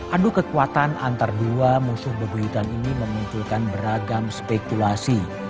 adu kekuatan antara dua musuh bebuyutan ini memunculkan beragam spekulasi